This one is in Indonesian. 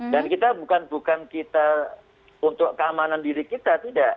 dan kita bukan bukan kita untuk keamanan diri kita tidak